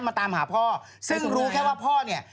มาตามหาพ่อซึ่งรู้แค่ว่าพ่อเนี่ย